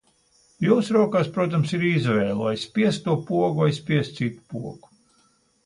Jūsu rokās, protams, ir izvēle, vai spiest to pogu vai spiest citu pogu.